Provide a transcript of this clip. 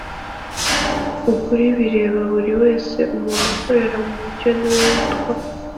ukuri bireba buri wese. umuntu ukorera mu mucyo ni we witwa